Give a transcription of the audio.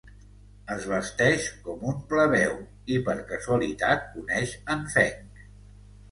Es vesteix com un plebeu i, per casualitat, coneix en Feng.